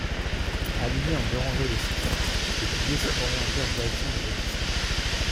Alignés en deux rangées de six, les piliers sont orientés en direction de l'épicentre.